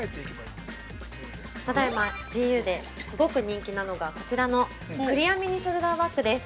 ただいま、ＧＵですごく人気なのが、こちらのクリアミニショルダーバッグです。